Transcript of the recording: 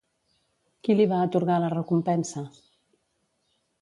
Qui li va atorgar la recompensa?